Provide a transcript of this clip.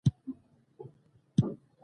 احساسات ګټور دي.